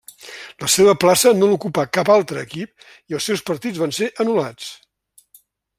La seva plaça no l'ocupà cap altre equip i els seus partits van ser anul·lats.